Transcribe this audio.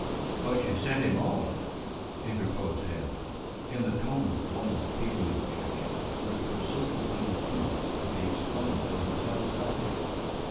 "But she sent him off," interposed Hannah, in the tone of one repeating an objection which persistently refused to be explained to her satisfaction.